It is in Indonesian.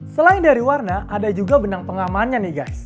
selain dari warna ada juga benang pengamannya nih guys